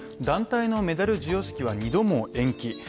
団体のメダル授与式は２度も延期。